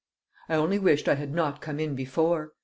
I only wished I had not come in before!